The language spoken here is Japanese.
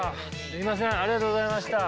すみませんありがとうございました。